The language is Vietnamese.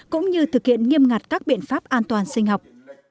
cũng như thực hiện nghiêm ngặt các biện pháp an toàn sinh học